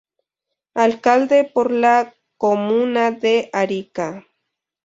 Alcalde por la comuna de Arica